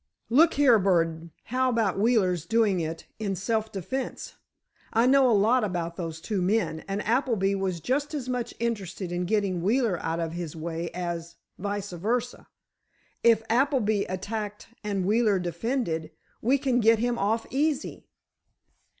"Look here, Burdon, how about Wheeler's doing it in self defence? I know a lot about those two men, and Appleby was just as much interested in getting Wheeler out of his way as vice versa. If Appleby attacked and Wheeler defended, we can get him off easy."